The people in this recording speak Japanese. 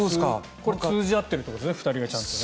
これ通じ合っているってことですね